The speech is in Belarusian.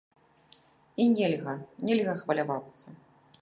І нельга, нельга хвалявацца!